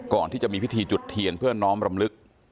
ก่อนที่จะมีพิธีจุดเทียนเพื่อน้อมรำลึก